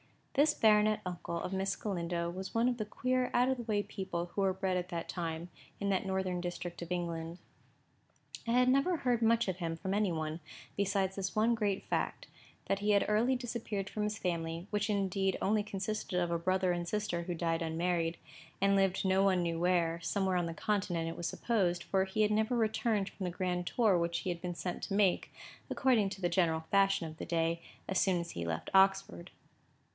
This baronet uncle of Miss Galindo was one of the queer, out of the way people who were bred at that time, and in that northern district of England. I never heard much of him from any one, besides this one great fact: that he had early disappeared from his family, which indeed only consisted of a brother and sister who died unmarried, and lived no one knew where,—somewhere on the Continent, it was supposed, for he had never returned from the grand tour which he had been sent to make, according to the general fashion of the day, as soon as he had left Oxford.